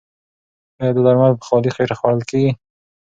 ایا دا درمل په خالي خېټه خوړل کیږي؟